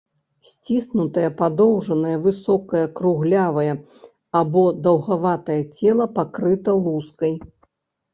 Сціснутае, падоўжанае, высокае круглявае або даўгаватае цела пакрыта лускай.